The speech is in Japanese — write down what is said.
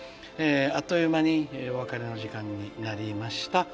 あっという間にお別れの時間になりました。